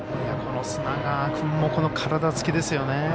この砂川君の体つきですよね。